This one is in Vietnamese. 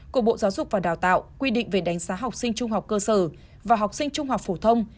của bộ giáo dục và đào tạo quy định về đánh giá học sinh trung học cơ sở và học sinh trung học phổ thông